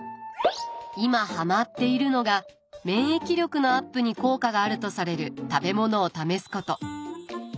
今ハマっているのが免疫力のアップに効果があるとされる食べ物を試すこと。